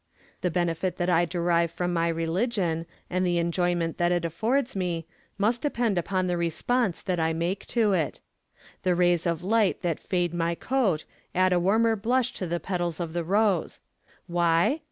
The benefit that I derive from my religion, and the enjoyment that it affords me, must depend upon the response that I make to it. The rays of light that fade my coat add a warmer blush to the petals of the rose. Why?